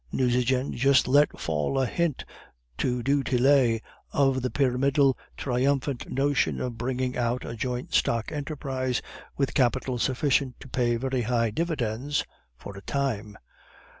Nucingen just let fall a hint to du Tillet of the pyramidal, triumphant notion of bringing out a joint stock enterprise with capital sufficient to pay very high dividends for a time.